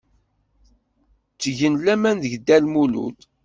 Ttgen laman deg Dda Lmulud.